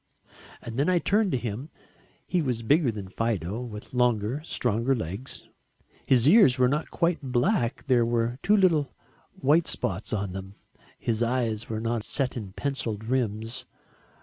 And then I turned to him. He was bigger than Fido, with longer, stronger legs. His ears were not quite black, there were two little white spots on them, his eyes were not set in pencilled rims.